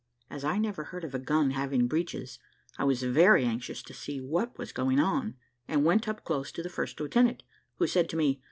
As I never heard of a gun having breeches, I was very anxious to see what was going on, and went up close to the first lieutenant, who said to me.